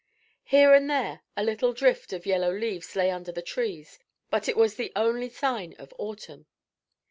Here and there a little drift of yellow leaves lay under the trees, but it was the only sign of autumn.